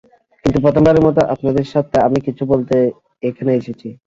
কিন্তু প্রথমবারের মতো, আপনাদের স্বার্থে আমি কিছু বলতে এখানে এসেছি।